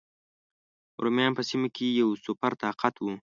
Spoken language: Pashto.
رومیان په سیمه کې یو سوپر طاقت و.